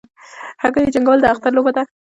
د هګیو جنګول د اختر لوبه ده.